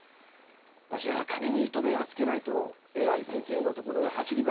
わしは金に糸目はつけないと偉い先生のところを走り回った。